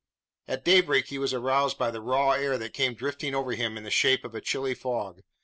At daybreak he was aroused by the raw air that came drifting over him in the shape of a chilly fog.